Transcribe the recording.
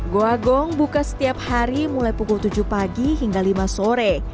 goa gong buka setiap hari mulai pukul tujuh pagi hingga lima sore